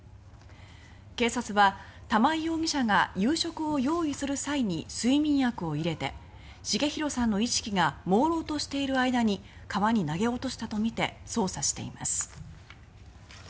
警察は玉井容疑者が夕食を用意する際に睡眠薬を入れて重弘さんの意識がもうろうとしている間に川に投げ落としたとみて捜査しています。